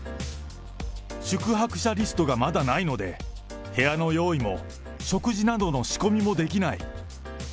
宿泊者リストがまだないので、部屋の用意も食事などの仕込みもできない。